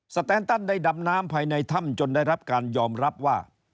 แตนตันได้ดำน้ำภายในถ้ำจนได้รับการยอมรับว่า